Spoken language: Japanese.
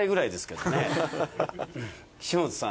岸本さん